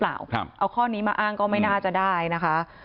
เอาข้อนี้มาอ้างก็ไม่น่าจะได้นะคะ